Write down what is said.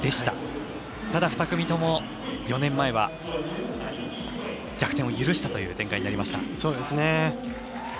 ただ、２組とも４年前は逆転を許したという展開になりました。